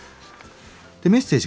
でメッセージ